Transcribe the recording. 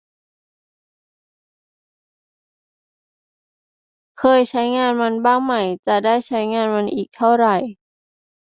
เคยใช้งานมันบ้างไหม จะได้ใช้งานมันอีกเท่าไร